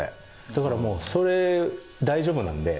だからもうそれ大丈夫なんで。